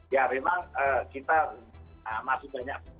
ya memang kita masih banyak